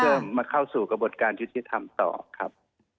เพื่อมาเข้าสู่กระบวดการชุดธิ์ทำต่อครับ